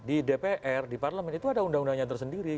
di dpr di parlemen itu ada undang undangnya tersendiri